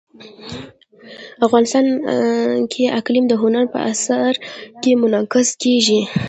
افغانستان کې اقلیم د هنر په اثار کې منعکس کېږي.